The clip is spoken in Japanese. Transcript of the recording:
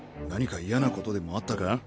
何か嫌なことでもあったか？